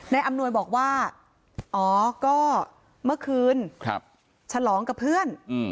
อำนวยบอกว่าอ๋อก็เมื่อคืนฉลองกับเพื่อน